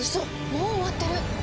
もう終わってる！